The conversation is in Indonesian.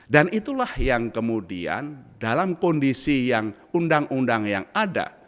dan itulah yang kemudian dalam kondisi yang undang undang yang ada